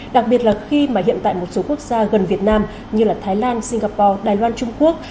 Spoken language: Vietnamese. đặc biệt là khi mà hiện tại một số quốc gia gần việt nam như thái lan singapore đài loan trung quốc